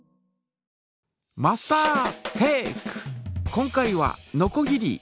今回はのこぎり。